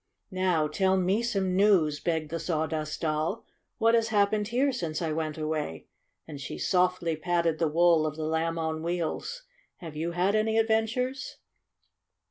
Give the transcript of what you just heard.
"Now tell me some news!" begged the* Sawdust Doll. "What has happened here since I went away?" and she softly patted the wool of the Lamb on Wheels. "Have you had any adventures